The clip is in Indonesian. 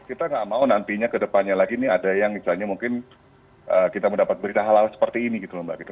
kita nggak mau nantinya ke depannya lagi nih ada yang misalnya mungkin kita mendapat berita hal hal seperti ini gitu loh mbak gitu